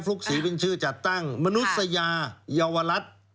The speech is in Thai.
ลุกศรีเป็นชื่อจัดตั้งมนุษยาเยาวรัฐ